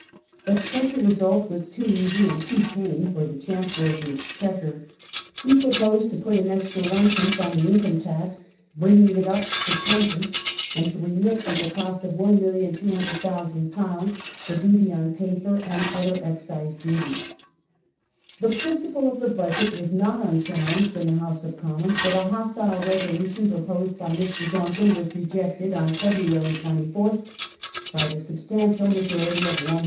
But such a result was too easy and too tame for the Chancellor of the Exchequer. He proposed to put an extra Id. on the income tax, bringing it up to lOd., and to remit, at the cost of £1,200,000, the duty on paper and other excise duties. The principle of the Budget was not unchallenged in the House of Commons, but a hostile resolution proposed by Mr. Duncan was rejected on February 24th by the substantial majority of 116.